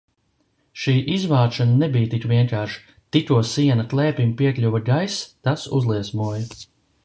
Šī izvākšana nebija tik vienkārša, tikko siena klēpim piekļuva gaiss, tas uzliesmoja.